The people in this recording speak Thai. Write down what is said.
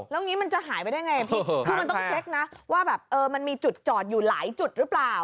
ทุกคนต้องเช็กนะว่ามันมีจุดจอดอยู่หลายจุดหรือเปล่า